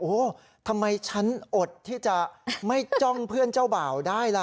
โอ้โหทำไมฉันอดที่จะไม่จ้องเพื่อนเจ้าบ่าวได้ล่ะ